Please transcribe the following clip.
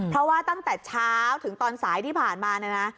เพราะว่าตั้งแต่เช้าเลยถึงตอนสายที่ผ่านมา